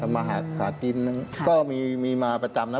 มาหากินก็มีมาประจำนะ